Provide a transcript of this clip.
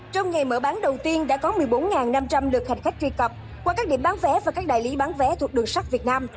trong ngày mở bán đầu tiên đã có một mươi bốn năm trăm linh lượt hành khách truy cập qua các điểm bán vé và các đại lý bán vé thuộc đường sắt việt nam